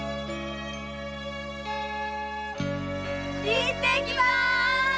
行ってきまーす！